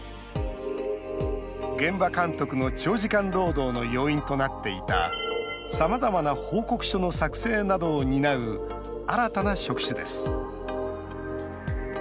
現場監督の長時間労働の要因となっていたさまざまな報告書の作成などを担う新たな職種です。